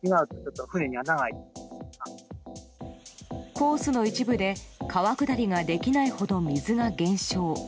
コースの一部で川下りができないほど水が減少。